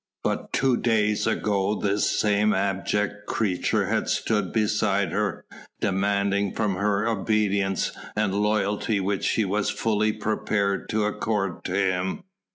But two days ago this same abject creature had stood beside her, demanding from her obedience and loyalty which she was fully prepared to accord to him.